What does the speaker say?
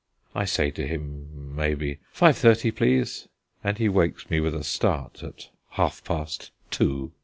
I say to him, maybe, "Five thirty, please;" and he wakes me with a start at half past two.